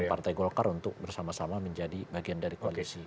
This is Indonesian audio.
partai golkar untuk bersama sama menjadi bagian dari koalisi